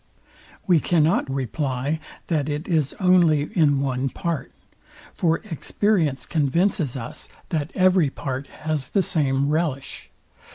We cannot rely, that it is only in one part: For experience convinces us, that every part has the same relish.